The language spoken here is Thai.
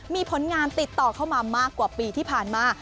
มีผลงานติดต่อเข้ามามากกว่าปีที่ผ่านมา